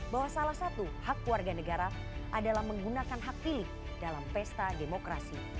bahwa salah satu hak warga negara adalah menggunakan hak pilih dalam pesta demokrasi